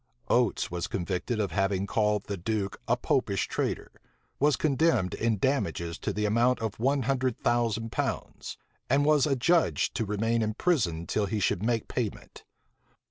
Oates was convicted of having called the duke a Popish traitor; was condemned in damages to the amount of one hundred thousand pounds; and was adjudged to remain in prison till he should make payment.